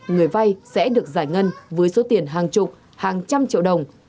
người vay sẽ được giải ngân với số tiền hàng chục hàng trăm triệu đồng